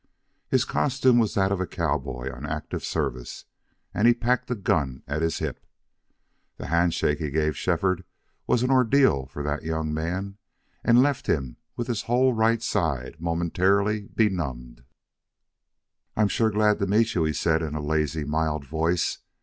His costume was that of the cowboy on active service; and he packed a gun at his hip. The hand shake he gave Shefford was an ordeal for that young man and left him with his whole right side momentarily benumbed. "I sure am glad to meet you," he said in a lazy, mild voice.